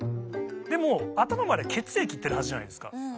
でも頭まで血液行ってるはずじゃないですか。